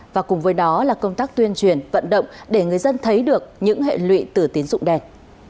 và cùng với đó là công tác tuyên truyền vận động để người dân thấy được những hệ lụy từ tín dụng đen